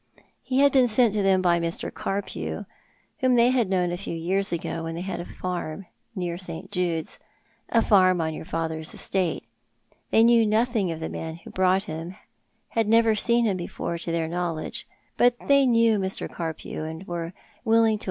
He had been sent to them by Mr. Carpew, whom they had known years ago, when they had a farm near St. j„(le's— a farm on your fatlicr's estate. They knew nothing of the man who brought him, had never seen him before to their knowledge, but they knew Mr. Carpew, and were willing to Death in Life.